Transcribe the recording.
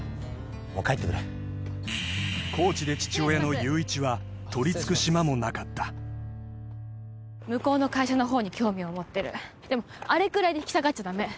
もう帰ってくれコーチで父親の悠一はとりつく島もなかった向こうの会社の方に興味を持ってるでもあれくらいで引き下がっちゃダメ